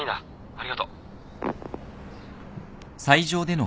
ありがとう。